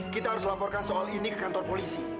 kita harus laporkan soal ini ke kantor polisi